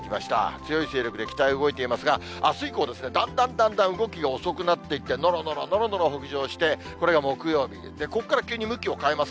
強い勢力で北へ動いていますが、あす以降、だんだんだんだん動きが遅くなっていって、のろのろのろのろ北上して、これが木曜日、ここから急に向きを変えます。